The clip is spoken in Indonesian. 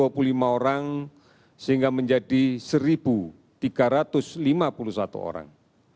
dua puluh lima orang sehingga menjadi satu tiga ratus lima puluh satu orang